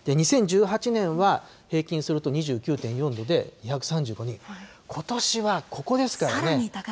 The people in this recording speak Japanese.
２０１８年は平均すると２９．４度で、２３５人、こさらに高いですからね。